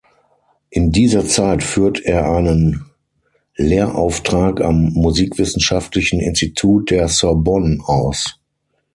In dieser Zeit führt er einen Lehrauftrag am Musikwissenschaftlichen Institut der Sorbonne aus.